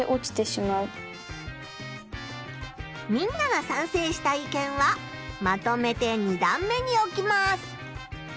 みんながさんせいした意見はまとめて２段目に置きます。